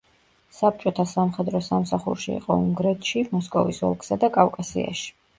საბჭოთა სამხედრო სამსახურში იყო უნგრეთში, მოსკოვის ოლქსა და კავკასიაში.